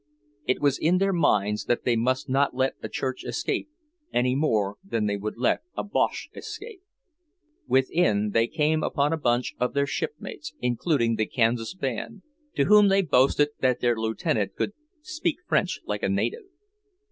It was in their minds that they must not let a church escape, any more than they would let a Boche escape. Within they came upon a bunch of their shipmates, including the Kansas band, to whom they boasted that their Lieutenant could "speak French like a native."